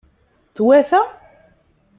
Twata?